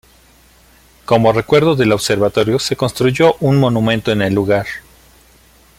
Como recuerdo del observatorio se construyó un monumento en el lugar.